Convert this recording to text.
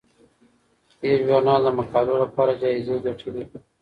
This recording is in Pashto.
دې ژورنال د مقالو لپاره جایزې ګټلي دي.